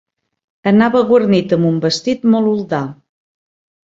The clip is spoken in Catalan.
Anava guarnit amb un vestit molt oldà.